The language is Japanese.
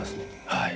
はい。